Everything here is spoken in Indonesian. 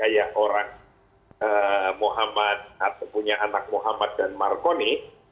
yang orang muhammad atau punya anak muhammad dan markoni